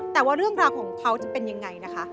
แต่ว่าเรื่องราวของเขาจะเป็นยังไงนะคะ